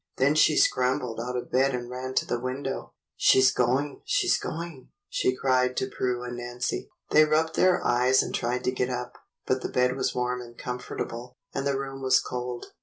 Then she scrambled out of bed and ran to the window. "She's going! She's going!" she cried to Prue and Nancy. 144 THE BLUE AUNT They rubbed their eyes and tried to get up, but the bed was warm and comfortable, and the room was cold.